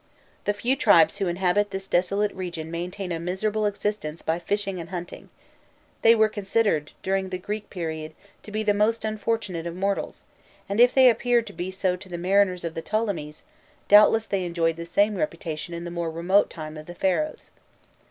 The few tribes who inhabit this desolate region maintain a miserable existence by fishing and hunting: they were considered, during the Greek period, to be the most unfortunate of mortals, and if they appeared to be so to the mariners of the Ptolemies, doubtless they enjoyed the same reputation in the more remote time of the Pharaohs.